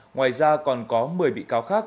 ngoài ra còn có một mươi bị cáo khác